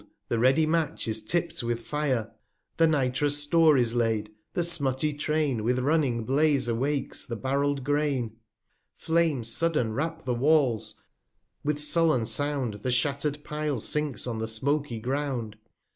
the ready Match is tipt with Fire, The nitrous Store is laid, the smutty Train With running Blaze awakes the barrell'd Grain; Flames sudden wrap the Walls; with sullen Sound, The shattered Pile sinks on the smoaky Ground.